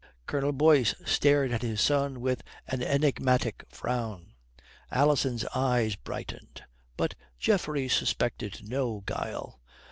Colonel Boyce stared at his son with an enigmatic frown. Alison's eyes brightened. But Geoffrey suspected no guile.